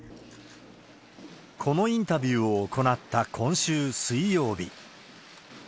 このインタビューを行った今週水曜日。